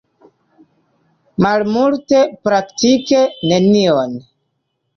Malmulte, praktike nenion.